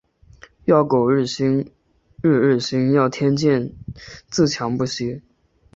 要苟日新，日日新。要天行健，自强不息。